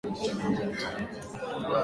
ionekane kwamba inatekeleza uongozi bora